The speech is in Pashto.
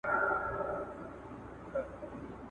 احتیاط ښه دی په حساب د هوښیارانو !.